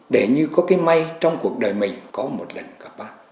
để như có cái may trong cuộc đời mình có một lần gặp bác